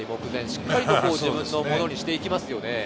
しっかり自分のものにしていきます。